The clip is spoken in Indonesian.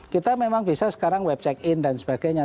kita memang bisa sekarang web check in dan sebagainya